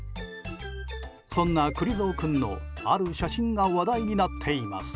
そんな、くり蔵君のある写真が話題になっています。